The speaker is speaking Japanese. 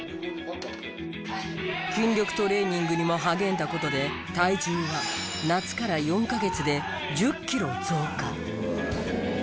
筋力トレーニングにも励んだ事で体重は夏から４カ月で１０キロ増加。